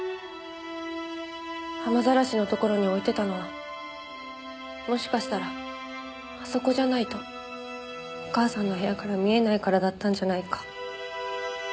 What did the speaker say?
雨ざらしのところに置いてたのはもしかしたらあそこじゃないとお母さんの部屋から見えないからだったんじゃないか。